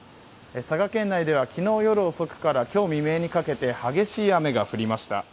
佐賀県内では昨日夜遅くから今日未明にかけて激しい雨が降りました。